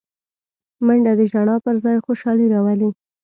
منډه د ژړا پر ځای خوشالي راولي